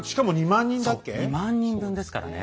そう２万人分ですからね。